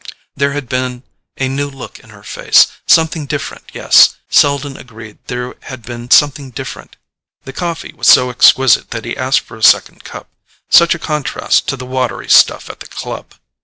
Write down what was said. There had been a new look in her face—something different; yes, Selden agreed there had been something different. The coffee was so exquisite that he asked for a second cup: such a contrast to the watery stuff at the club!